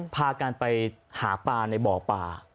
พากันไปหาปลาในบ่อป่า